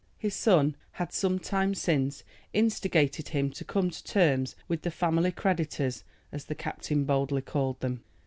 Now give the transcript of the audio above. His son had some time since instigated him to come to terms with the "family creditors," as the captain boldly called them.